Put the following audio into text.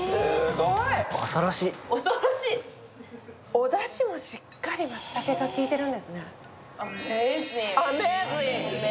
おだしもしっかり、まつたけがきいてるんですね。